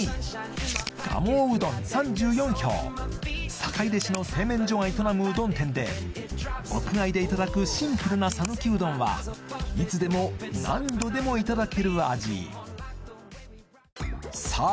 坂出市の製麺所が営むうどん店で屋外でいただくシンプルな讃岐うどんはいつでも何度でもいただける味さあ